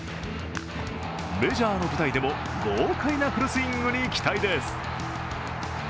メジャーの舞台でも豪快なフルスイングに期待です。